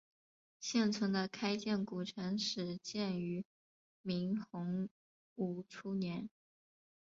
现存的开建古城始建于明洪武初年。